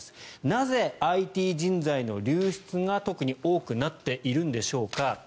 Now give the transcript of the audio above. なぜ、ＩＴ人材の流出が特に多くなってるんでしょうか。